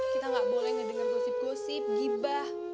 kita enggak boleh ngedenger gosip gosip gibah